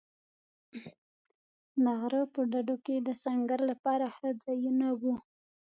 د غره په ډډو کې د سنګر لپاره ښه ځایونه و.